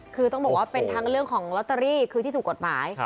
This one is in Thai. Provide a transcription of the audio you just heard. คือต้องบอกว่าเป็นทั้งเรื่องของลอตเตอรี่คือที่ถูกกฎหมาย